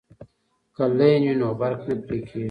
که لین وي نو برق نه پرې کیږي.